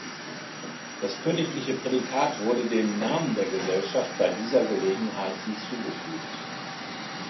Das königliche Prädikat wurde dem Namen der Gesellschaft bei dieser Gelegenheit hinzugefügt.